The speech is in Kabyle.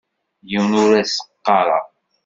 Yiwen ur as-ɣɣareɣ.